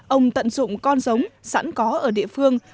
ông tận dụng con giống sẵn có ở địa phương